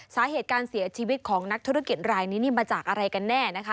สาเหตุการเสียชีวิตของนักธุรกิจรายนี้นี่มาจากอะไรกันแน่นะคะ